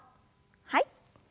はい。